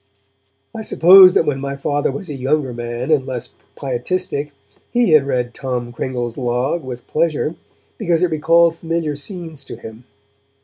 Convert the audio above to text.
I suppose that when my Father was a younger man, and less pietistic, he had read Tom Cringle's Log with pleasure, because it recalled familiar scenes to him.